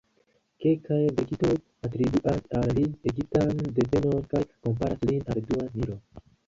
Kelkaj verkistoj atribuas al li egiptan devenon, kaj komparas lin al dua Nilo.